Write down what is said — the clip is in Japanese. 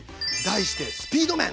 題して「スピード麺」！